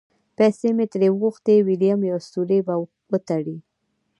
پیسې مې ترې وغوښتې؛ وېلم یو سوری به وتړي.